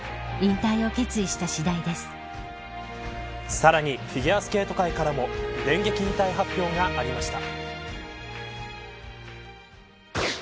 さらにフィギュアスケート界からも電撃引退発表がありました。